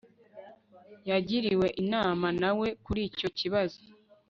yagiriwe inama na we kuri icyo kibazo